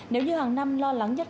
nếu như hàng năm lo lắng nhất